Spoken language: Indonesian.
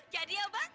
jadi ya bang